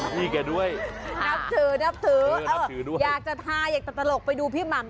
พี่แกด้วยนับถือนับถืออยากจะทาอยากตลกไปดูพี่หม่ำ